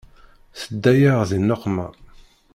Tedda-yaɣ di nneqma.